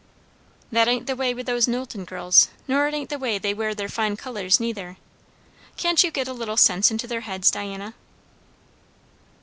"That ain't the way with those Knowlton girls; nor it ain't the way they wear their fine colours, neither. Can't you get a little sense into their heads, Diana?"